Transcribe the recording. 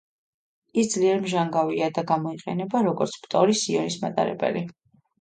ის ძლიერ მჟანგავია და გამოიყენება, როგორც ფტორის იონის მატარებელი.